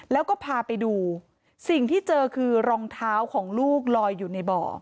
แล้วก็พาไปดูสิ่งที่เจอคือรองเท้าของลูกลอยอยู่ในบ่อ